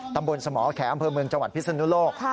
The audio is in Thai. ตำบลสมแขมพมจพิศนุโลก